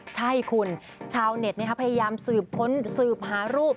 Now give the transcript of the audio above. ใช่คุณชาวเน็ตพยายามสืบค้นสืบหารูป